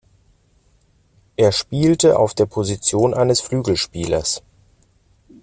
Er spielte auf der Position eines Flügelspielers.